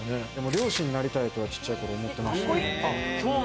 漁師になりたいとはちっちゃい頃思ってました。